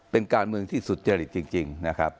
เป็นการเมืองที่สุรจริตจริง